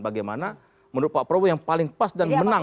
bagaimana menurut pak prabowo yang paling pas dan menang